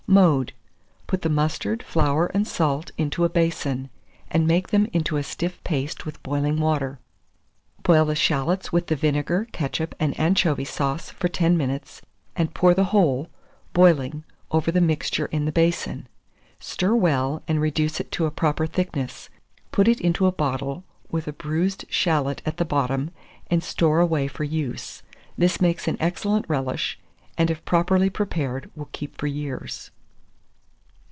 Mode. Put the mustard, flour, and salt into a basin, and make them into a stiff paste with boiling water. Boil the shalots with the vinegar, ketchup, and anchovy sauce, for 10 minutes, and pour the whole, boiling, over the mixture in the basin; stir well, and reduce it to a proper thickness; put it into a bottle, with a bruised shalot at the bottom, and store away for use. This makes an excellent relish, and if properly prepared will keep for years.